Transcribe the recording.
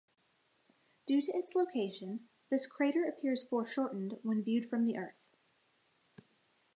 Due to its location, this crater appears foreshortened when viewed from the Earth.